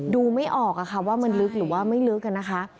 ดูไม่ออกค่ะว่ามันลึกหรือว่าไม่ลึกอะนะคะ